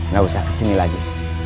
gak usah kesini lagi